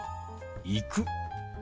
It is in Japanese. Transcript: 「行く」。